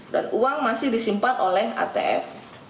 dan uang masih disimpan oleh atf